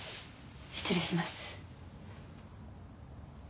失礼します。